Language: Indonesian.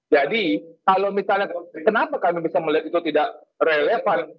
jadi kalau misalnya kenapa kami bisa melihat itu tidak relevan